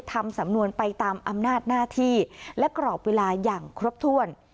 ทำสำนวนไปตามอำนาจหน้าที่และกรอบเวลาอย่างครบถ้วน